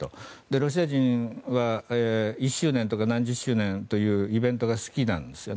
ロシア人は、１周年とか何十周年というイベントが好きなんですね。